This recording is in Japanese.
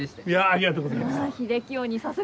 ありがとうございます。